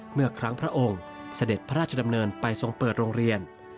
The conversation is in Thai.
เมื่อครั้งพระองค์เสด็จพระราชดำเนินไปทรงเปิดโรงเรียน